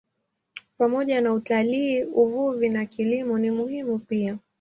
Pamoja na utalii, uvuvi na kilimo ni muhimu pia.